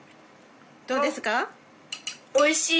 どうですか？